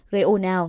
gây ồn ào